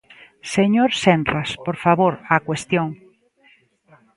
Señor Senras, por favor, á cuestión.